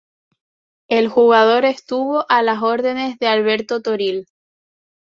El jugador estuvo a las órdenes de Alberto Toril.